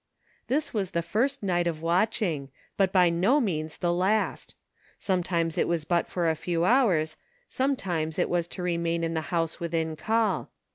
This was the first night of watching, but by no means the last ; sometimes it was but for a few hours, sometimes it was to remain in the house within call.